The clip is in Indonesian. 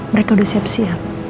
mereka udah siap siap